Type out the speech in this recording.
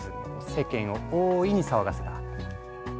世間を大いに騒がせた。